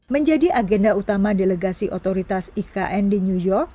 menjadi agenda utama delegasi otoritas ikn di new york